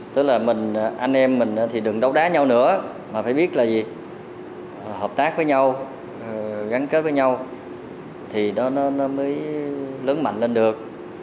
tức là mình anh em mình thì đừng đấu đá nhau nữa mà phải biết là việc hợp tác với nhau gắn kết với nhau thì nó mới lớn mạnh lên được